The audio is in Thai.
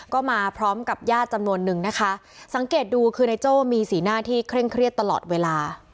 ก็มาพร้อมกับญาติจำนวนนึงนะคะสังเกตดูคือนายโจ้มีสีหน้าที่เคร่งเครียดตลอดเวลา